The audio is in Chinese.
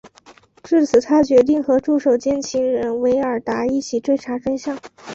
至此他决定和助手兼情人维尔达一起追查真相。